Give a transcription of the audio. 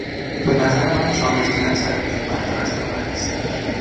به نظر من چانه زدن سر قیمت رسم بدی است.